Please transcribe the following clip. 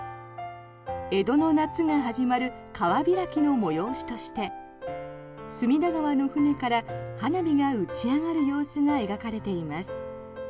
江戸の夏が始まる川開きの催しとして隅田川の船から花火が打ち上がる様子が描かれています。